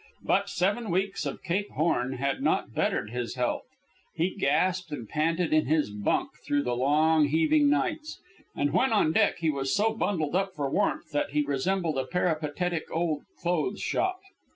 But seven weeks of Cape Horn had not bettered his health. He gasped and panted in his bunk through the long, heaving nights; and when on deck he was so bundled up for warmth that he resembled a peripatetic old clothes shop.